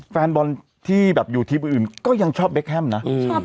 แฟนบอลที่แบบอยู่ทีมอื่นก็ยังชอบเบคแฮมนะ